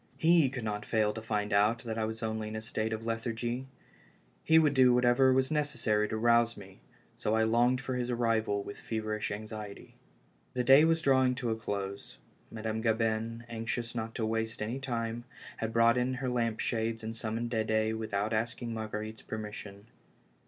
lie could not fail to find out that I was only in a state of lethargy ; he would do whatever was necessary to rouse me, so I longed for his arrival with feverish anxiety. The day was drawing to a close. Madame Gabin, anxious not to waste any time, had brought in her lamp shades and summoned Dede without asking Marguer ite's permission.